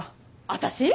私？